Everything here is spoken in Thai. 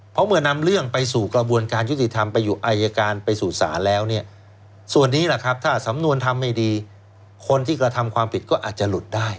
เพราะเมื่อนำเรื่องไปสู่กระบวนการยุติธรรมไปอยู่อายการไปสู่ศาลแล้วเนี่ยส่วนนี้แหละครับถ้าสำนวนทำไม่ดีคนที่กระทำความผิดก็อาจจะหลุดได้